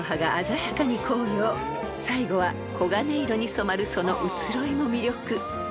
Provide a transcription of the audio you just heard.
［最後は黄金色に染まるその移ろいも魅力］